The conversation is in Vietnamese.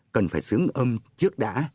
cần phải sướng âm trước đã